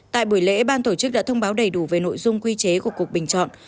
tại buổi lễ ban tổ chức đã thông báo đầy đủ về nội dung quy chế của cuộc bình chọn